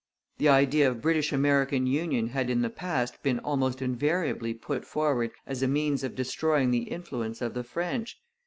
The idea of British American union had in the past been almost invariably put forward as a means of destroying the influence of the French.